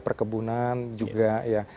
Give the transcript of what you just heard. perkebunan juga ya